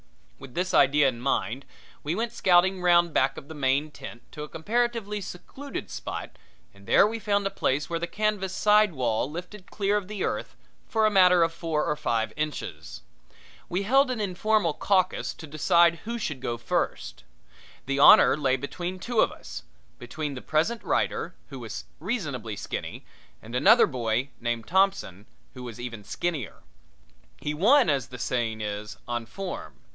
With this idea in mind we went scouting round back of the main tent to a comparatively secluded spot, and there we found a place where the canvas side wall lifted clear of the earth for a matter of four or five inches. We held an informal caucus to decide who should should go first. The honor lay between two of us between the present writer, who was reasonably skinny, and another boy, named Thompson, who was even skinnier. He won, as the saying is, on form.